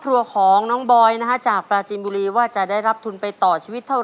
จะตัดศิลป์ของน้องบอยจากประจีนบุรีว่าจะได้รับทุนไปต่อชีวิตเท่าไร